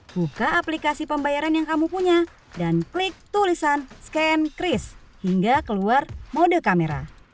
buka aplikasi pembayaran yang kamu punya dan klik tulisan scan kris hingga keluar mode kamera